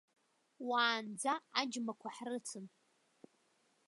Уаанӡа аџьмақәа ҳрыцын.